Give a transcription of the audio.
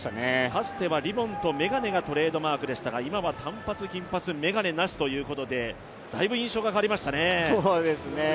かつてはリボンと眼鏡がトレードマークでしたが今は短髪、銀髪眼鏡なしということでだいぶ印象が変わりましたね。